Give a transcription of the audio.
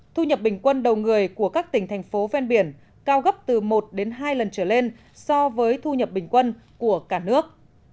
thu nhập bình quân đầu người của các tỉnh thành phố ven biển cao gấp từ một đến hai lần trở lên so với thu nhập bình quân của cả nước